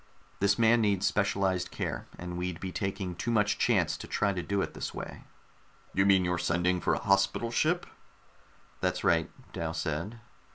"This man needs specialized care, and we'd be taking too much chance to try to do it this way." "You mean you're sending for a hospital ship?" "That's right," Dal said.